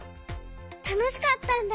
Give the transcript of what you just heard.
たのしかったんだ。